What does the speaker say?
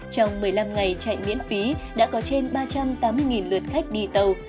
trong một mươi năm ngày chạy miễn phí đã có trên ba trăm tám mươi lượt khách đi tàu